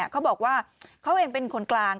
เขาบอกว่าเขาเองเป็นคนกลาง